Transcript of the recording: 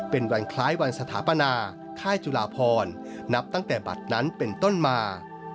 เป็นวันคล้ายวันสถาปนาค่ายจุลาพรนับตั้งแต่บัตรนั้นเป็นต้นมา